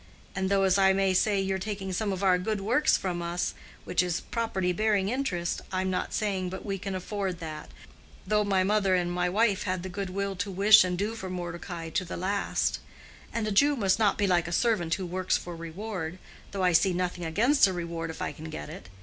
And though, as I may say, you're taking some of our good works from us, which is property bearing interest, I'm not saying but we can afford that, though my mother and my wife had the good will to wish and do for Mordecai to the last; and a Jew must not be like a servant who works for reward—though I see nothing against a reward if I can get it.